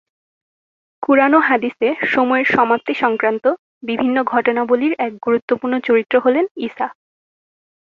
কুরআন ও হাদিসে "সময়ের সমাপ্তি" সংক্রান্ত বিভিন্ন ঘটনাবলির এক গুরুত্বপূর্ণ চরিত্র হলেন ঈসা।